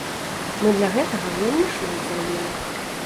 Мы для гэтага вельмі шмат зрабілі.